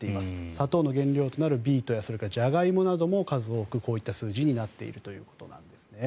砂糖の原料となるビートやジャガイモなども数多く、こういった数字になっているということなんです。